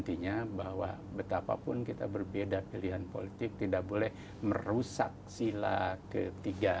artinya bahwa betapapun kita berbeda pilihan politik tidak boleh merusak sila ketiga